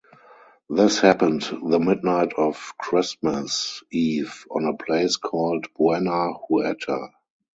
This happened the midnight of Christmas Eve on a place called Buena Huerta.